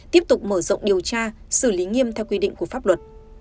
tiếp tục mở rộng điều tra xử lý nghiêm theo quy định của pháp luật